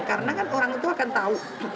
karena kan orang itu akan tahu